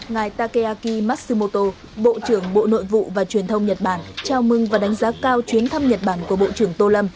ngài takeaki masumoto bộ trưởng bộ nội vụ và truyền thông nhật bản chào mừng và đánh giá cao chuyến thăm nhật bản của bộ trưởng tô lâm